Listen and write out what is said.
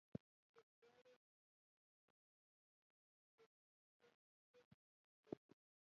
پر دواړو جوالونو چې له روپو ډک وو متیازې وکړې.